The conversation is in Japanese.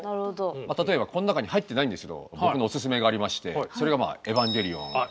例えばこの中に入ってないんですけど僕のオススメがありましてそれが「エヴァ」。